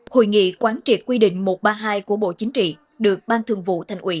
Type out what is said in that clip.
hội nghị quán triệt quy định một trăm ba mươi hai của bộ chính trị được ban thường vụ thành ủy